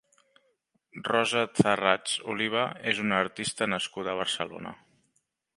Rosa Tharrats Oliva és una artista nascuda a Barcelona.